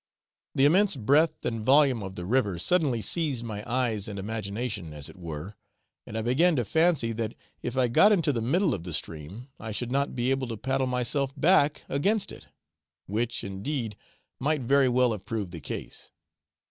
The immense breadth and volume of the river suddenly seized my eyes and imagination as it were, and I began to fancy that if I got into the middle of the stream I should not be able to paddle myself back against it which, indeed, might very well have proved the case.